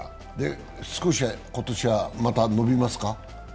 少しは今年はまた伸びますか？